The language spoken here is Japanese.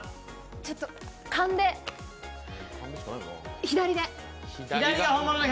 ちょっと勘で、左で。